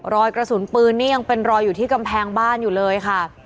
รอยกระสุนปืนนี่ยังเป็นรอยอยู่ที่กำแพงบ้านอยู่เลยค่ะ